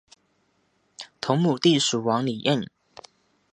同母弟蜀王李愔。